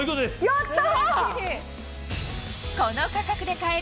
やった！